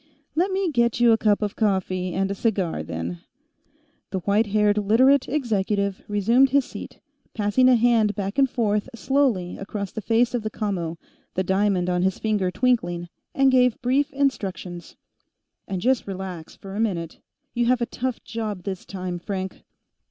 "Let me get you a cup of coffee, and a cigar, then." The white haired Literate executive resumed his seat, passing a hand back and forth slowly across the face of the commo, the diamond on his finger twinkling, and gave brief instructions. "And just relax, for a minute. You have a tough job, this time, Frank."